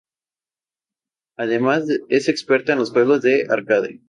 Además es experta en los juegos de arcade.